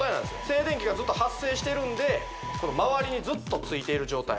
静電気がずっと発生してるんでまわりにずっとついている状態